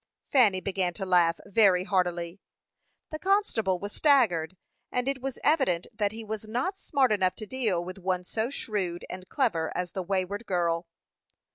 Fanny began to laugh very heartily. The constable was staggered, and it was evident that he was not smart enough to deal with one so shrewd and clever as the wayward girl.